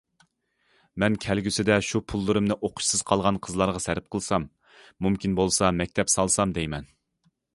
مەن كەلگۈسىدە شۇ پۇللىرىمنى ئوقۇشسىز قالغان قىزلارغا سەرپ قىلسام، مۇمكىن بولسا مەكتەپ سالسام دەيمەن.